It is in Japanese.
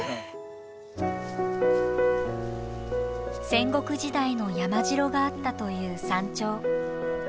戦国時代の山城があったという山頂。